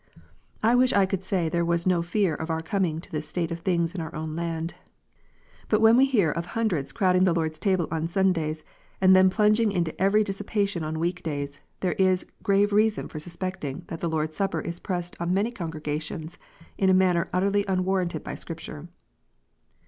I wish I could say there was no fear of our coming to this state of things in our own land. But when we hear of hundreds crowding the Lord s Table on Sundays, and then plunging into every dissipa tion on week days, there is grave reason for suspecting that the Lord s Supper is pressed on many congregations in a manner utterly unwarranted by Scripture.